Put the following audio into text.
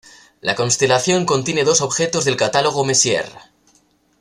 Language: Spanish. La constelación contiene dos objetos del catálogo Messier.